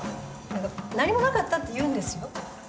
「何もなかった」って言うんですよ。